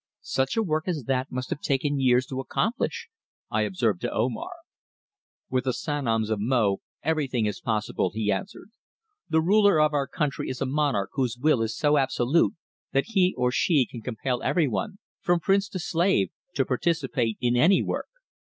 "Such a work as that must have taken years to accomplish," I observed to Omar. "With the Sanoms of Mo everything is possible," he answered. "The ruler of our country is a monarch whose will is so absolute that he or she can compel everyone, from prince to slave, to participate in any work.